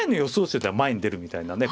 手では前に出るみたいなね。